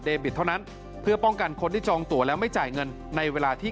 บิตเท่านั้นเพื่อป้องกันคนที่จองตัวแล้วไม่จ่ายเงินในเวลาที่